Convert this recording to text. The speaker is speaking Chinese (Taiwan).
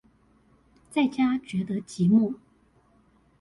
在家覺得寂寞